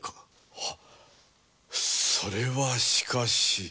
それはしかし。